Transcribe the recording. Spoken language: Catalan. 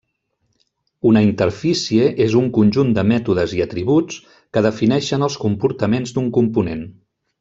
Una interfície és un conjunt de mètodes i atributs que defineixen els comportaments d'un component.